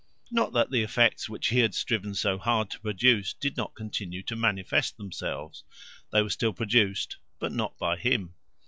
Not that the effects which he had striven so hard to produce did not continue to manifest themselves. They were still produced, but not by him.